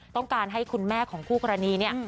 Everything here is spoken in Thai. ต้องการให้คุณแม่ของคู่กรณีเนี่ย